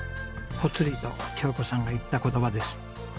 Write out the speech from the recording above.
ぽつりと京子さんが言った言葉です。